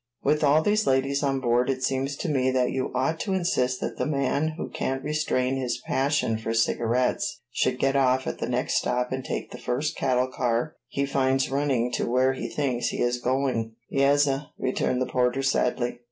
With all these ladies on board it seems to me that you ought to insist that the man who can't restrain his passion for cigarettes should get off at the next stop and take the first cattle car he finds running to where he thinks he is going." "Yas, suh," returned the porter sadly.